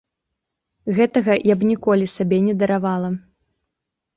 Гэтага я б ніколі сабе не даравала.